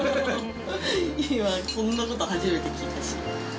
今、こんなこと初めて聞いたし。